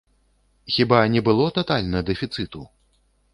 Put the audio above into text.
Хіба не было татальна дэфіцыту?